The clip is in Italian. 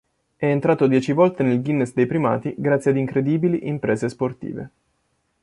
È entrato dieci volte nel Guinness dei Primati grazie ad incredibili imprese sportive.